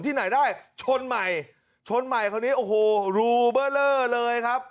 ที่ไหนได้ชนใหม่ชนใหม่คราวนี้โอ้โหรูเบอร์เลอร์เลยครับ